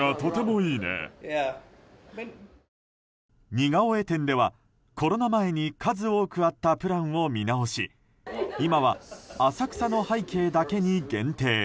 似顔絵店では、コロナ前に数多くあったプランを見直し今は浅草の背景だけに限定。